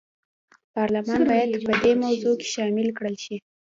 پارلمان باید په دې موضوع کې شامل کړل شي.